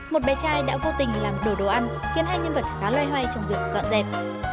một bé trai đã vô tình làm đổ đồ đồ ăn khiến hai nhân vật khá loay hoay trong việc dọn dẹp